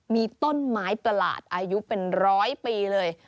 มีต้นไม้ประหลาดอายุเป็นร้อยปีเลย